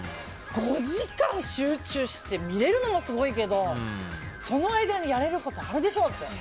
５時間集中して見れるのもすごいけどその間にやれることあるでしょって。